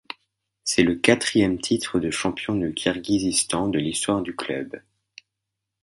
C'est le quatrième titre de champion du Kirghizistan de l'histoire du club.